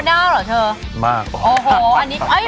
อันนี้เก็บที่เราชอบกันก่อน